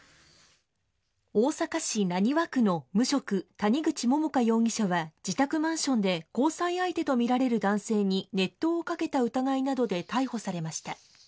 大阪市浪速区の無職、谷口桃花容疑者は自宅マンションで交際相手と見られる男性に熱湯をかけた疑いなどで逮捕されました。